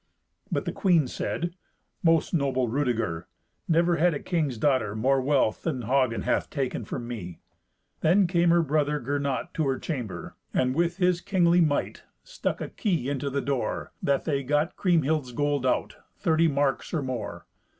But the queen said, "Most noble Rudeger, never had a king's daughter more wealth than Hagen hath taken from me." Then came her brother Gernot to her chamber, and, with his kingly might, stuck a key into the door, that they got Kriemhild's gold out—thirty marks or more.